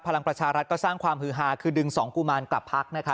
พลังประชารัฐก็สร้างความฮือฮาคือดึงสองกุมารกลับพักนะคะ